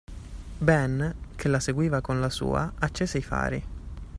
Ben, che la seguiva con la sua, accese i fari.